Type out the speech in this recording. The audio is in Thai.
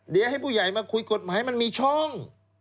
เดี๋ยวให้ผู้ใหญ่มาคุยกฎหมายมันมีช่อง